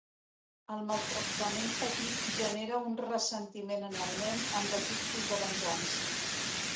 El maltractament patit genera un ressentiment en el nen, amb desitjos de venjança.